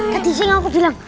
tadi sih yang aku bilang